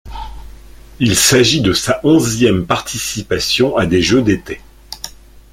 Il s'agit de sa onzième participation à des Jeux d'été.